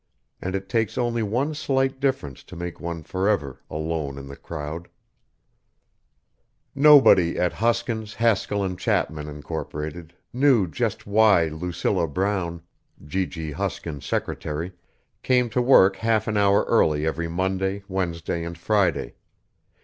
And it takes only one slight difference to make one forever alone in the crowd.... ILLUSTRATED BY SCHELLING Nobody at Hoskins, Haskell & Chapman, Incorporated, knew jut why Lucilla Brown, G.G. Hoskins' secretary, came to work half an hour early every Monday, Wednesday, and Friday.